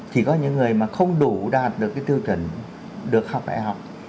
chỉ có những người mà không đủ đạt được cái tiêu chuẩn được học đại học